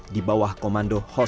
di bawah komando sarekat islam